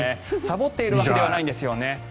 さぼっているわけではないんですよね。